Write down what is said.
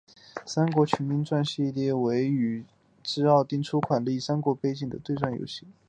三国群英传系列是由宇峻奥汀公司出品的一款以三国为背景的对战游戏。